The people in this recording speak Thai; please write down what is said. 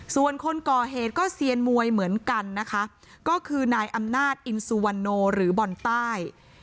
ส่วนคนก่อเหตุก็เซียนมวยเหมือนกันนะคะก็คือนายอำนาจอินสุวรรณโนหรือบอลใต้